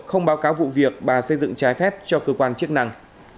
không báo cáo vụ việc bà xây dựng trái phép cho cơ quan chức năng